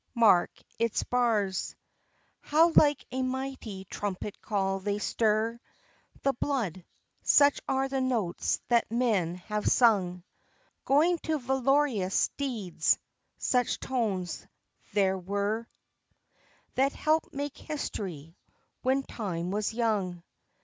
Mark its bars, How like a mighty trumpet call they stir The blood. Such are the notes that men have sung Going to valorous deeds; such tones there were That helped make history when Time was young.